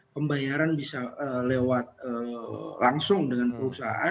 pembayaran bisa lewat langsung dengan perusahaan